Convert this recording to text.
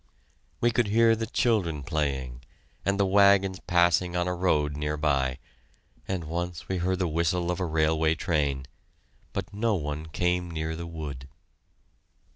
We could hear the children playing, and the wagons passing on a road near by, and once we heard the whistle of a railway train but no one came near the wood.